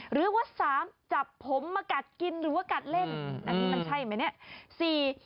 หรือว่า๓จับผมมากัดกินหรือว่ากัดเล่นอันนี้มันใช่ไหมเนี่ย